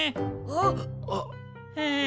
あっ？